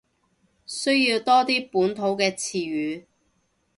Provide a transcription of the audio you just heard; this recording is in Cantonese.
需要多啲本土嘅詞語